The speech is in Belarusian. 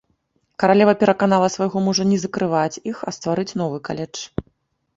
Каралева пераканала свайго мужа не закрываць іх, а стварыць новы каледж.